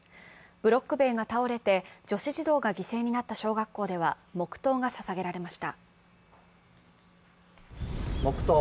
ブロック塀が倒れて女子児童が犠牲となった小学校では、黙とうが捧げられました。